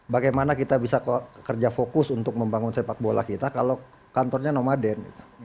bagaimana kita bisa kerja fokus untuk membangun sepak bola kita kalau kantornya nomaden